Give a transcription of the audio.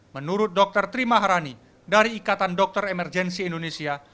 menurut dr tri maharani dari ikatan dokter emergensi indonesia